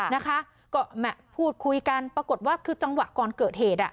นะคะก็พูดคุยกันปรากฏว่าคือจังหวะก่อนเกิดเหตุอ่ะ